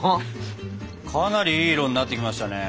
かなりいい色になってきましたね。